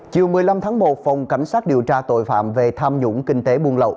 chiều một mươi năm tháng một phòng cảnh sát điều tra tội phạm về tham nhũng kinh tế buôn lậu